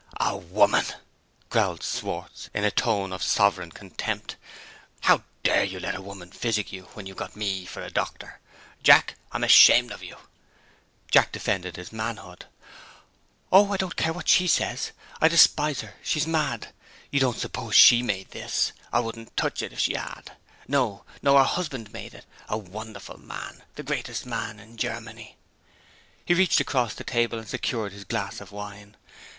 "A woman!" growled Schwartz, in a tone of sovereign contempt. "How dare you let a woman physic you, when you've got me for a doctor? Jack! I'm ashamed of you." Jack defended his manhood. "Oh, I don't care what she says! I despise her she's mad. You don't suppose she made this? I wouldn't touch it, if she had. No, no; her husband made it a wonderful man! the greatest man in Germany!" He reached across the table and secured his glass of wine.